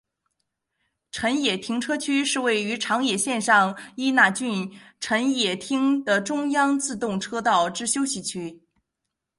辰野停车区是位于长野县上伊那郡辰野町的中央自动车道之休息区。